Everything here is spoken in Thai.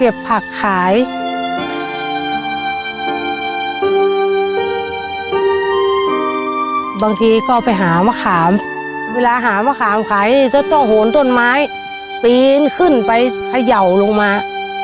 บางทีก็ไปหามะขามเวลาหามะขามขายจะต้องโหนต้นไม้ปีนขึ้นไปเขย่าลงมา